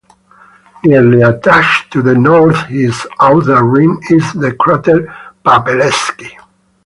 Nearly attached to the northeast outer rim is the crater Papaleksi.